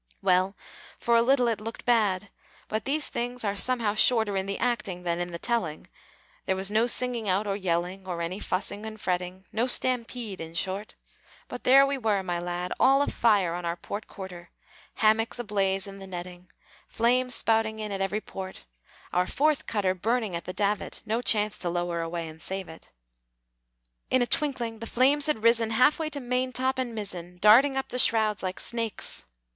Well, for a little it looked bad: But these things are, somehow, shorter, In the acting than in the telling; There was no singing out or yelling, Or any fussing and fretting, No stampede, in short; But there we were, my lad, All afire on our port quarter, Hammocks ablaze in the netting, Flames spouting in at every port, Our fourth cutter burning at the davit (No chance to lower away and save it). In a twinkling, the flames had risen Halfway to maintop and mizzen, Darting up the shrouds like snakes!